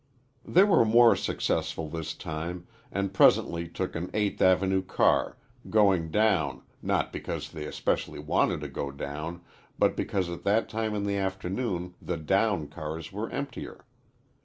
They were more successful, this time, and presently took an Eighth Avenue car, going down not because they especially wanted to go down, but because at that time in the afternoon the down cars were emptier.